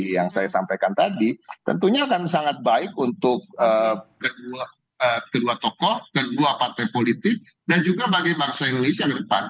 yang saya sampaikan tadi tentunya akan sangat baik untuk kedua tokoh kedua partai politik dan juga bagi bangsa indonesia ke depan